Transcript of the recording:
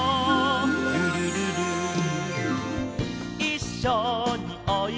「ルルルル」「いっしょにおいでよ」